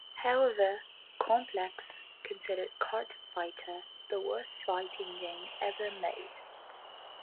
However, "Complex" considered "Kart Fighter" the worst fighting game ever made.